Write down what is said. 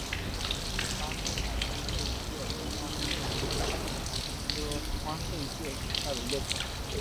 巴士海弯贝介为弯贝介科弯贝介属下的一个种。